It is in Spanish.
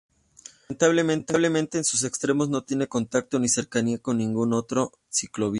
Lamentablemente en sus extremos no tiene contacto ni cercanía con ninguna otra ciclovía.